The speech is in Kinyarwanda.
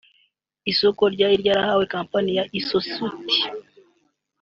Isoko ryari ryahawe kompanyi ya Ecesut